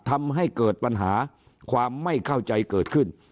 ทำให้เกิดปัญหาความไม่เข้าใจเกิดขึ้น